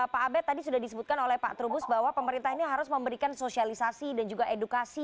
pak abed tadi sudah disebutkan oleh pak trubus bahwa pemerintah ini harus memberikan sosialisasi dan juga edukasi